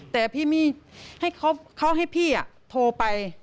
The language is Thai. แต่พี่ไม่ให้เขาให้พี่โทรไป